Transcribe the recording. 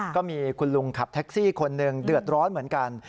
ก็มีคุณลุงขับแท็กซี่คนหนึ่งเดือดร้อนเหมือนกัน